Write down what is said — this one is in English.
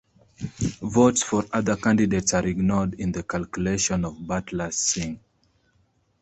Votes for other candidates are ignored in the calculation of 'Butler swing'.